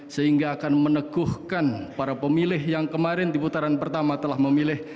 sehingga akan meneguhkan para pemilih yang kemarin di putaran pertama telah memilih